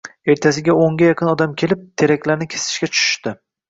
Ertasiga o‘nga yaqin odam kelib, teraklarni kesishga tushishdi